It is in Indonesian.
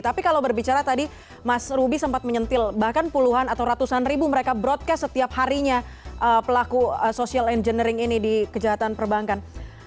tapi kalau berbicara tadi mas ruby sempat menyentil bahkan puluhan atau ratusan ribu mereka broadcast setiap harinya pelaku social engineering ini di kejahatan perbankan